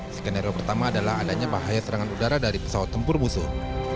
skenario pertama adalah adanya bahaya serangan udara dari pesawat tempur musuh